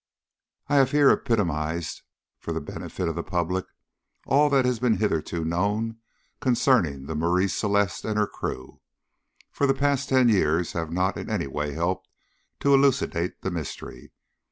I have here epitomised, for the benefit of the public, all that has been hitherto known concerning the Marie Celeste and her crew, for the past ten years have not in any way helped to elucidate the mystery.